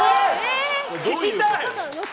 聞きたい！